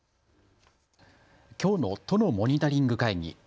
きょうの都のモニタリング会議。